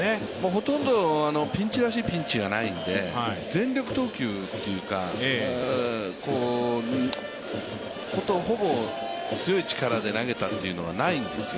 ほとんどピンチらしいピンチがないので全力投球というか、ほぼ強い力で投げたというのはないんですよ。